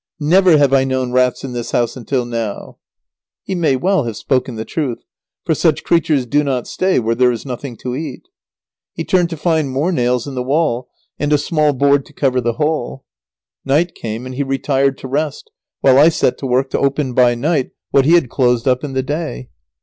Never have I known rats in this house until now." He may well have spoken the truth, for such creatures do not stay where there is nothing to eat. [Sidenote: What the clergyman did by day, Lazaro undid by night.] He turned to find more nails in the wall, and a small board to cover the hole. Night came and he retired to rest, while I set to work to open by night what he had closed up in the day.